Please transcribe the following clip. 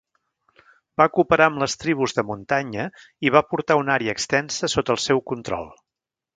Va cooperar amb les tribus de muntanya i va portar una àrea extensa sota el seu control.